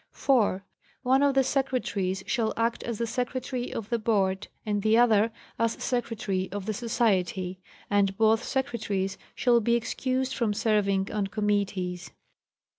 4,—One of the Secretaries shall act as the Secretary of the Board and the other as Secretary of the Society ; and both Secretaries shall be excused from serving on committees.